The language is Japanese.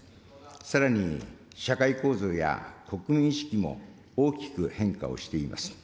さらに、社会構造や国民意識も大きく変化をしています。